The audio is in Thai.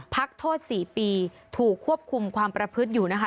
พักโทษ๔ปีถูกควบคุมความประพฤติอยู่นะคะ